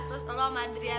terus lo sama adrian